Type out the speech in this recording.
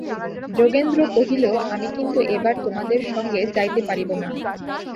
যোগেন্দ্র কহিল, আমি কিন্তু এবার তোমাদের সঙ্গে যাইতে পারিব না।